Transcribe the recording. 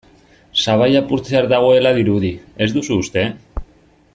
Sabaia apurtzear dagoela dirudi, ez duzu uste?